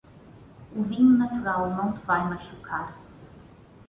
O vinho natural não vai te machucar.